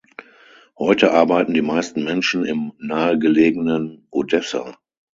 Heute arbeiten die meisten Menschen im nahegelegenen Odessa.